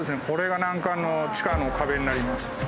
これが難関の地下の壁になります。